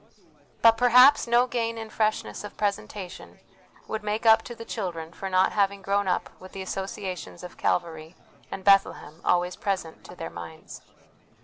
But perhaps no gain in freshness of presentation would make up to the children for not having grown up with the associations of Calvary and Bethlehem always present to their minds.